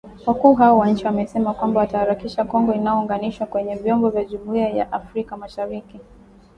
Wakuu hao wa nchi wamesema kwamba watahakikisha Kongo inaunganishwa kwenye vyombo vya Jumuiya Ya Afrika mashariki